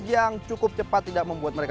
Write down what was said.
yang cukup cepat tidak membuat mereka